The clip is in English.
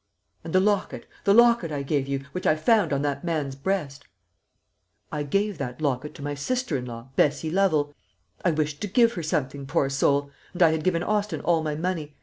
"And the locket the locket I gave you, which I found on that man's breast?" "I gave that locket to my sister in law, Bessie Lovel. I wished to give her something, poor soul; and I had given Austin all my money.